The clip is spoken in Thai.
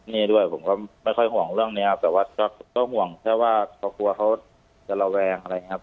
นี่ด้วยผมก็ไม่ค่อยห่วงเรื่องนี้ครับแต่ว่าก็ห่วงแค่ว่าเขากลัวเขาจะระแวงอะไรอย่างนี้ครับ